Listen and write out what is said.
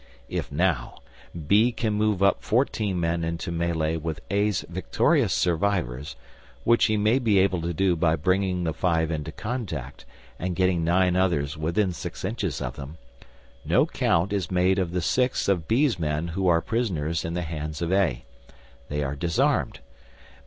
If, now, B can move up fourteen men into melee with A's victorious survivors, which he may be able to do by bringing the five into contact, and getting nine others within six inches of them, no count is made of the six of B's men who are prisoners in the hands of A. They are disarmed.